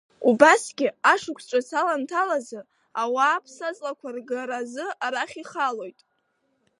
Убасгьы, ашықәс ҿыц аламҭалазы, ауаа аԥсаҵлақәа ргара азы арахь ихалоит.